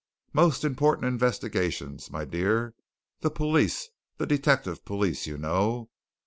Most important investigations, my dear! the police, the detective police, you know.